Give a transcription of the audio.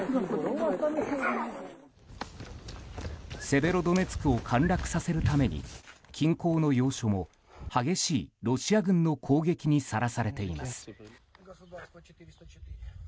セベロドネツクを陥落させるために近郊の要所も、激しいロシア軍の攻撃にさらされています。